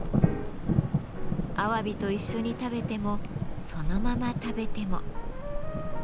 アワビと一緒に食べてもそのまま食べても。